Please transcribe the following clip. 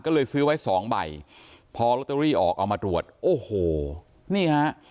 ก็เลยซื้อไว้สองใบพอลอตเตอรี่ออกเอามาตรวจโอ้โหนี่ฮะ